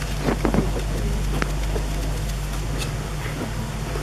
Se trata de uno de los cantaores famosos más antiguos de La Unión.